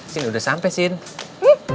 sini udah sampe sini